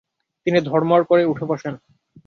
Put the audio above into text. তিনি ধড়মড় করে উঠে বসেন।